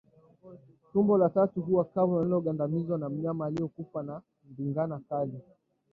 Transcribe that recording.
Tumbo la tatu huwa kavu na lililogandamizwa kwa mnyama aliyekufa na ndigana kali